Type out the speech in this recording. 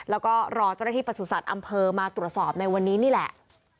แล้วก็รอเจ้าหน้าที่ประสุทธิ์อำเภอมาตรวจสอบในวันนี้นี่แหละ